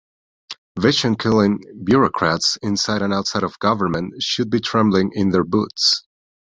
Vision-killing bureaucrats inside and outside of government should be trembling in their boots.